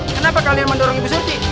kenapa kalian mendorong ibu suci